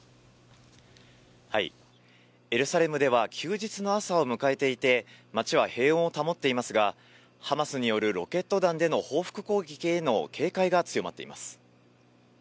エルサレムでは休日の朝を迎えていて、街は平穏を保っていますが、ハマスによるロケット弾での報復攻撃への警戒が強まっています。